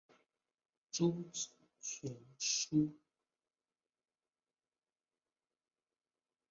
朱子全書